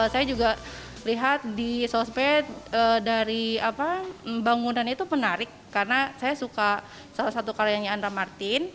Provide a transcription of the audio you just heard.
saya juga lihat di sosmed dari bangunan itu menarik karena saya suka salah satu karyanya andra martin